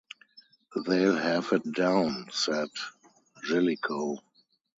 "They'll have it down," said Jellicoe.